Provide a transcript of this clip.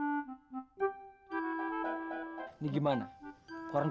eh lupa aku mau ke rumah